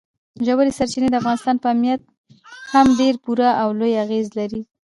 ژورې سرچینې د افغانستان په امنیت هم ډېر پوره او لوی اغېز لري.